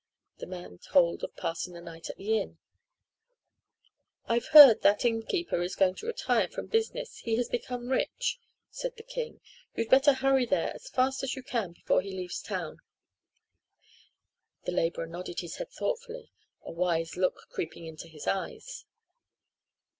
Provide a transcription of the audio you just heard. The man told of passing the night in the inn. "I've heard that innkeeper is going to retire from business, he has become so rich," said the king. "You'd better hurry there as fast as you can before he leaves town." The laborer nodded his head thoughtfully, a wise look creeping into his eyes.